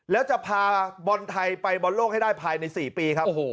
แล้วจะพาบอลไทยไปบอลโลกให้ได้ภายใน๔ปีครับ